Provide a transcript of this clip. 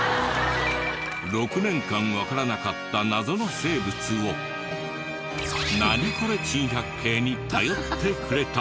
６年間わからなかった謎の生物を『ナニコレ珍百景』に頼ってくれた。